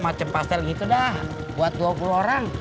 macam pastel gitu dah buat dua puluh orang